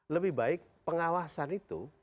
lebih baik pengawasan itu